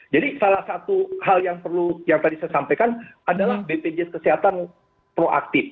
jadi salah satu hal yang perlu yang tadi saya sampaikan adalah bpjs kesehatan proaktif